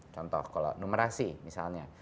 contoh kalau numerasi misalnya